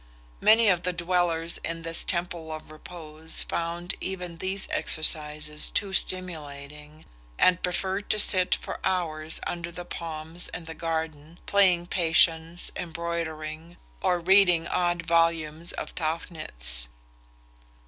Many of the dwellers in this temple of repose found even these exercises too stimulating, and preferred to sit for hours under the palms in the garden, playing Patience, embroidering, or reading odd volumes of Tauchnitz.